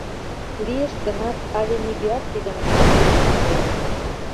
Лиеш гынат, але нигӧат тидым ышташ пижын огыл.